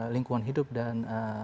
lingkungan hidup dan